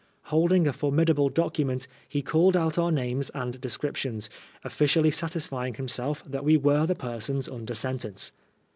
Holding a formidable document, he called out our names and descriptions, of&cially satisfying himself that we were the persons under sentence.